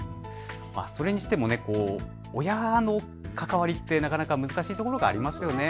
それにしても親の関わりってなかなか難しいところがありますよね。